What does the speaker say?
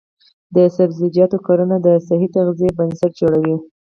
د سبزیجاتو کرنه د صحي تغذیې بنسټ جوړوي.